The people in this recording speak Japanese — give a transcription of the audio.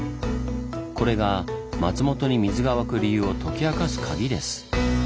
これが松本に水が湧く理由を解き明かすカギです。